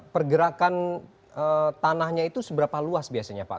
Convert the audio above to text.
pergerakan tanahnya itu seberapa luas biasanya pak